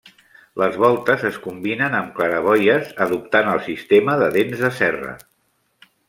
Les voltes es combinen amb claraboies adoptant el sistema de dents de serra.